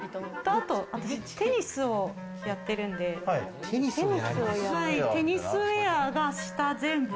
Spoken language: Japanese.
あとテニスをやってるんで、テニスウェアが下全部。